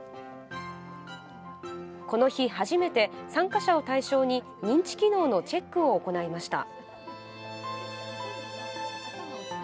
この日、初めて参加者を対象に認知機能のチェックを行いました。